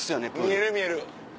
見える見える。